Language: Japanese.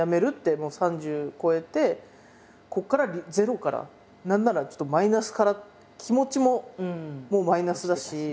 もう３０超えてここからゼロから何ならちょっとマイナスからって気持ちももうマイナスだし。